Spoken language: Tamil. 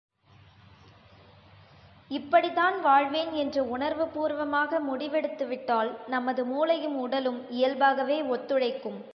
இப்படித்தான் வாழ்வேன் என்று உணர்வு பூர்வமாக முடிவெடுத்துவிட்டால் நமது மூளையும் உடலும் இயல்பாகவே ஒத்துழைக்கும்.